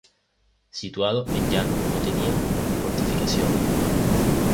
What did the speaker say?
Situado en llano, no tenía fortificaciones.